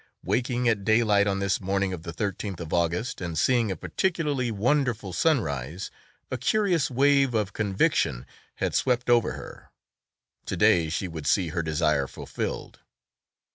Waking at daylight on this morning of the thirteenth of August and seeing a particularly wonderful sunrise, a curious wave of conviction had swept over her. To day she would see her desire fulfilled!